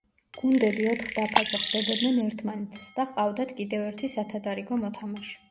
გუნდები ოთხ დაფაზე ხვდებოდნენ ერთმანეთს და ჰყავდათ კიდევ ერთი სათადარიგო მოთამაშე.